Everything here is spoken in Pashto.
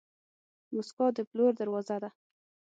موسکا د پلور دروازه ده.